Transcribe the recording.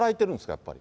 やっぱり。